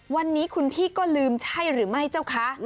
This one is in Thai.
วันนี้คุณพี่ก็ลืมใช่หรือไม่เจ้าคะ